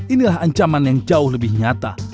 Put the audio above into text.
inilah ancaman yang jauh lebih nyata